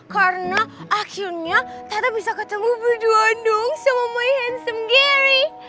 karena akhirnya tata bisa ketemu berdua dong sama my handsome geri